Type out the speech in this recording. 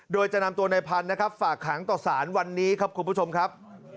โดยจะนำตัวนายพันธ์ฝากหางต่อสารวันนี้ครับคุณผู้ชมครับ